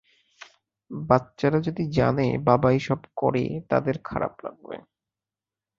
বাচ্চারা যদি জানে, বাবা এইসব করে, তাদের খারাপ লাগবে।